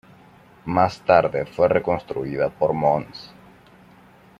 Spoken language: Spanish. Más tarde fue reconstruida por Mons.